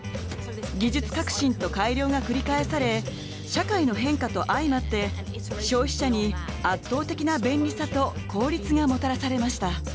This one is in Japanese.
技術革新と改良が繰り返され社会の変化と相まって消費者に圧倒的な便利さと効率がもたらされました。